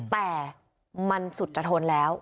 แต่มันสุจทนแล้ว